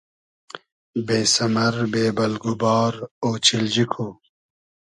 بې سئمئر بې بئلگ و بار اۉچیلجی کو